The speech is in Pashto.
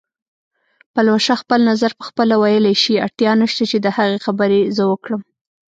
پلوشه خپل نظر پخپله ویلی شي، اړتیا نشته چې د هغې خبرې زه وکړم